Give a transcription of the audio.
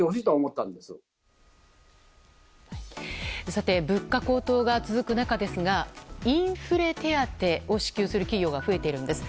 さて物価高騰が続く中ですがインフレ手当を支給する企業が増えているんです。